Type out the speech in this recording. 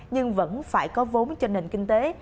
nhưng vẫn phải có vốn cho nền kinh tế